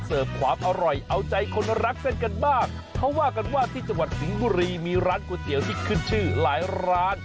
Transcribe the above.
ทีมงานสาวน้อยทำไมยังไม่เตรียมตัวลงอีกล่ะครับ